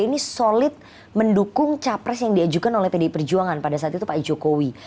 ini solid mendukung capres yang diajukan oleh pdi perjuangan pada saat itu pak jokowi